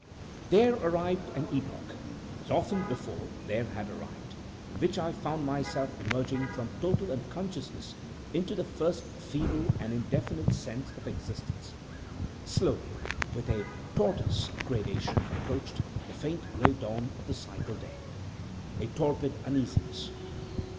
There arrived an epoch as often before there had arrived in which I found myself emerging from total unconsciousness into the first feeble and indefinite sense of existence. Slowly with a tortoise gradation approached the faint gray dawn of the psychal day. A torpid uneasiness.